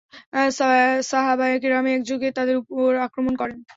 সাহাবায়ে কেরাম একযোগে তাদের উপর আক্রমণ করেন।